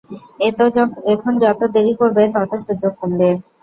এখন যত দেরি করবে, তত সুযোগ কমবে।